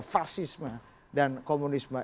fasisma dan komunisme